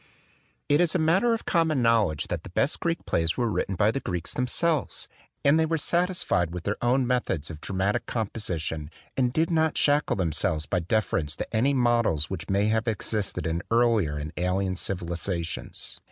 It is a matter of common knowledge that the best Greek plays were written by the Greeks themselves; and they were satisfied with their 45 THE DWELLING OF A DAY DREAM own methods of dramatic composition and did not shackle themselves by deference to any models which may have existed in earlier and alien civilizations.